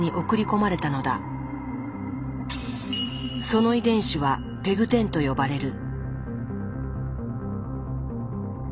その遺伝子はＰＥＧ１０と呼ばれる。